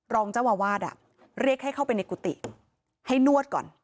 รองเจ้าอาวาสเรียกให้เข้าไปในกุฏิให้นวดก่อน